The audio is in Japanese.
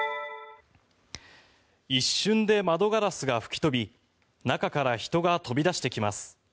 一瞬で窓ガラスが吹き飛び中から人が飛び出してきます。